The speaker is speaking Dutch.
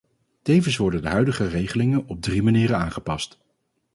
Tevens worden de huidige regelingen op drie manieren aangepast.